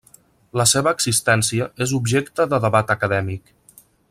La seva existència és objecte de debat acadèmic.